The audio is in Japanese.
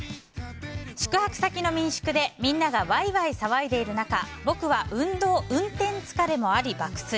宿泊先の民宿でみんながワイワイ騒いでいる中僕は運転疲れもあり、爆睡。